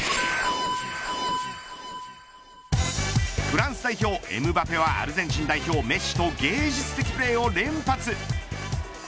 フランス代表エムバペはアルゼンチン代表メッシと芸術的プレーを連発。